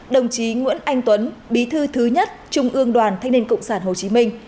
đồng chí nguyễn anh tuấn bí thư thứ nhất trung ương đoàn thanh niên cộng sản hồ chí minh